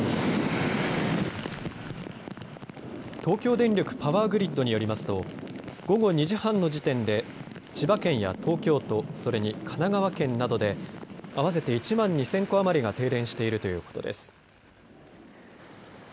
東京電力パワーグリッドによりますと午後２時半の時点で千葉県や東京都、それに神奈川県などで合わせて１万２０００戸余りが停電しているということです。